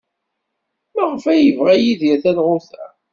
Maɣef ay yebɣa Yidir talɣut-a?